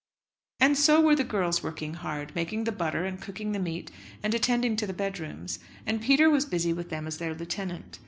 And so were the girls working hard making the butter, and cooking the meat, and attending to the bedrooms. And Peter was busy with them as their lieutenant.